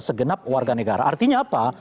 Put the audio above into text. segenap warga negara artinya apa